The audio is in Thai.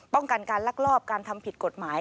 ป้องกันการลักลอบการทำผิดกฎหมาย